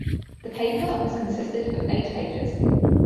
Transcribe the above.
The paper was consisted of eight pages.